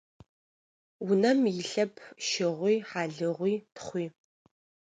Унэм илъэп щыгъуи, хьалыгъуи, тхъуи.